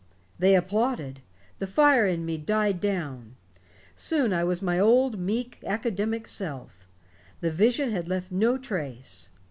"They applauded. The fire in me died down. Soon I was my old meek, academic self. The vision had left no trace.